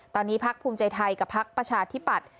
ตอนนี้พักภูมิใจไทยกับพักประชาธิปัตย์